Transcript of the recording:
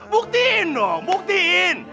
buktiin dong buktiin